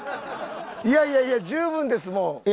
いやいやいや十分ですもう。